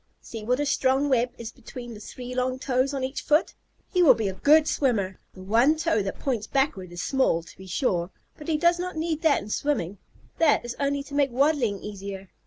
See what a strong web is between the three long toes on each foot! He will be a good swimmer. The one toe that points backward is small, to be sure, but he does not need that in swimming. That is only to make waddling easier."